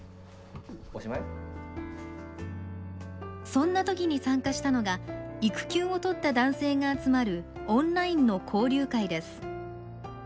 そんなときに参加したのが育休を取った男性が集まるオンラインの交流会です。